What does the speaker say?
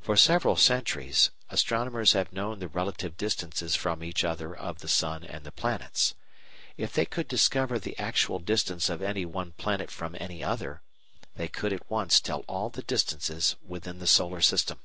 For several centuries astronomers have known the relative distances from each other of the sun and the planets. If they could discover the actual distance of any one planet from any other, they could at once tell all the distances within the Solar System.